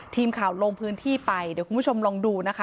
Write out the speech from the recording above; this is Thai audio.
ทีมข่าวลงพื้นที่ไปเดี๋ยวคุณผู้ชมลองดูนะคะ